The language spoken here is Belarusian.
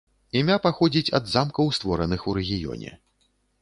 Імя паходзіць ад замкаў створаных у рэгіёне.